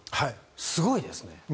すごいですね。